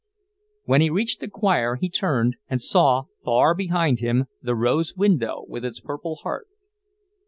When he reached the choir he turned, and saw, far behind him, the rose window, with its purple heart.